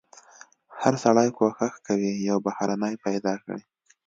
هر سړی کوښښ کوي یو بهرنی پیدا کړي.